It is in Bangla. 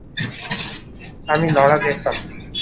আমি লরা জেসন।